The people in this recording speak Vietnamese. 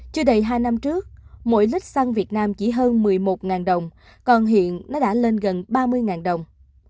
chưa đầy hai năm trước mỗi lít xăng việt nam chỉ hơn một mươi một đồng còn hiện nó đã lên gần ba mươi đồng